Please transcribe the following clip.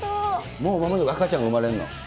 もうまもなく赤ちゃんが産まれるの。